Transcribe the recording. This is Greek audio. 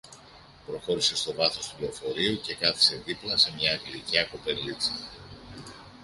Προχώρησε στο βάθος του λεωφορείου και κάθισε δίπλα σε μία γλυκιά κοπελίτσα